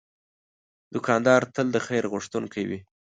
دوکاندار تل د خیر غوښتونکی وي.